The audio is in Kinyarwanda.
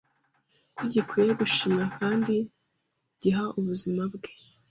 ko gikwiye gushimwa kandi giha ubuzima bwe